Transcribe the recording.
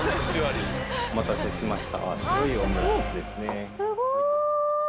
お待たせしました。